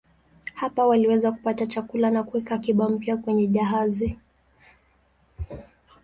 Hapa waliweza kupata chakula na kuweka akiba mpya kwenye jahazi.